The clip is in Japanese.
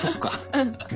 うん。